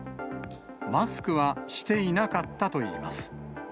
マスクはしていなかったといいます。